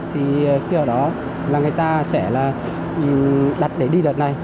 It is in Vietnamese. thì khi ở đó là người ta sẽ là đặt để đi đợt này